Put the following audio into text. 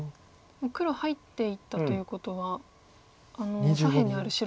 もう黒入っていったということは左辺にある白